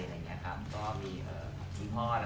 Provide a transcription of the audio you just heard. ก็มีคุณพ่อพี่พี่ครอบครัว